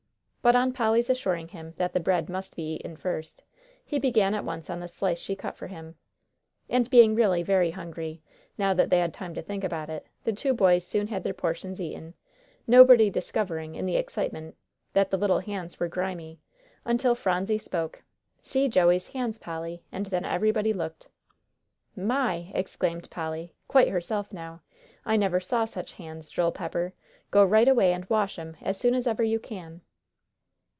But on Polly's assuring him that the bread must be eaten first, he began at once on the slice she cut for him. And being really very hungry, now that they had time to think about it, the two boys soon had their portions eaten, nobody discovering, in the excitement, that the little hands were grimy, until Phronsie spoke. "See Joey's hands, Polly," and then everybody looked. "My!" exclaimed Polly, quite herself, now. "I never saw such hands, Joel Pepper! Go right away and wash 'em as soon as ever you can."